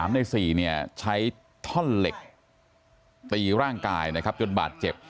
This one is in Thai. ๓ใน๔ใช้ท่อนเหล็กตีร่างกายจนบาดเจ็บ